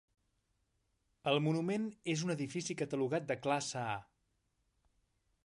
El monument és un edifici catalogat de classe A.